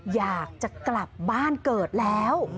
อยากจะกลับบ้านเกิดแล้ว